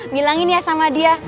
bilangin ya sama dia